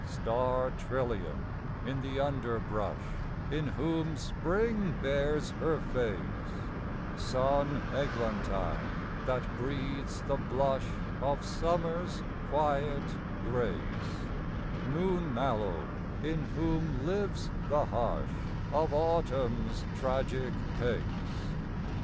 Star trillium, in the underbrush, In whom Spring bares her face; Sun eglantine, that breathes the blush Of Summer's quiet grace; Moon mallow, in whom lives the hush Of Autumn's tragic pace.